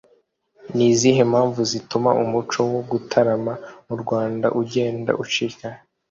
ni izihe mpamvu zituma umuco wo gutarama mu rwanda ugenda ucika?